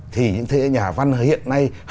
thì những thế hệ nhà văn hiện nay